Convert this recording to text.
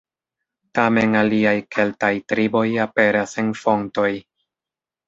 Tamen aliaj keltaj triboj aperas en fontoj.